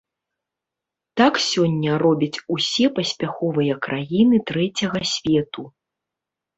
Так сёння робяць усе паспяховыя краіны трэцяга свету.